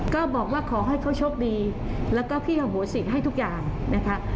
ก็บอกว่าขอให้เขาโชคดีแล้วก็พี่อโหสิให้ทุกอย่างนะคะ